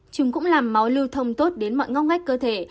chúng cũng làm máu lưu thông tốt đến mọi ngóc ngách cơ thể